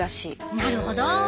なるほど。